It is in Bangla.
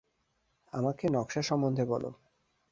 আমাকে নকশার সম্বন্ধে বলো।